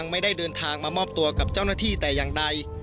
มามอบตัวกับเจ้าหน้าที่แต่อย่างใด